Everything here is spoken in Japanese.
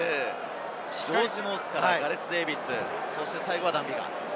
ジョージ・ノースからガレス・デーヴィス、最後はダン・ビガー。